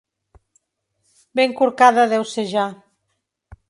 Ben corcada deu ser ja.